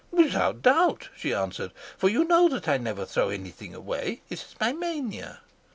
'Without doubt,' she answered, 'for you know that I never throw anything away. It is my mania.'